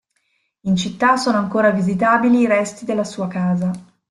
In città sono ancora visitabili i resti della sua casa.